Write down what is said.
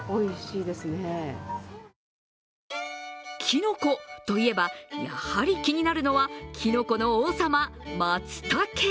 きのこといえばやはり気になるのはきのこの王様、松茸。